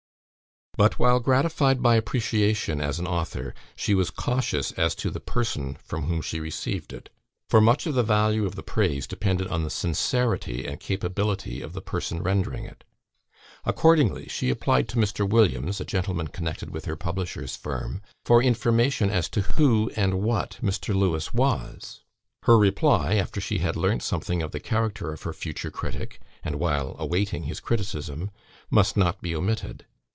But while gratified by appreciation as an author, she was cautious as to the person from whom she received it; for much of the value of the praise depended on the sincerity and capability of the person rendering it. Accordingly, she applied to Mr. Williams (a gentleman connected with her publishers' firm) for information as to who and what Mr. Lewes was. Her reply, after she had learnt something of the character of her future critic, and while awaiting his criticism, must not be omitted.